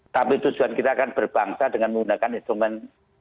tapi tujuan kita akan berbangsa dengan menggunakan instrumen